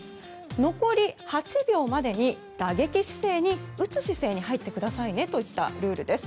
残り８秒までに打撃姿勢に入ってくださいねといったルールです。